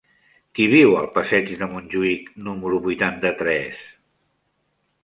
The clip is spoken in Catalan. Qui viu al passeig de Montjuïc número vuitanta-tres?